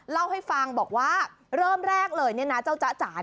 เล่าให้ฟังบอกว่าเริ่มแรกเลยเนี่ยนะเจ้าจ๊ะจ๋า